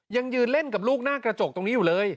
ยังยืนเล่นกับลูกหน้ากระจกตรงนี้อยู่เลย